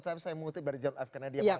saya mengutip dari john f kennedy